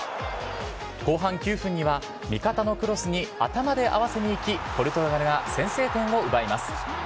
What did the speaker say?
後半９分には、味方のクロスに頭で合わせに行き、ポルトガルが先制点を奪います。